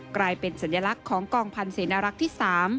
กลายเป็นสัญลักษณ์ของกองพันธ์เสนรักษ์ที่๓